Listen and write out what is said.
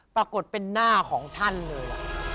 ปรากฏเป็นหน้าของท่านเลย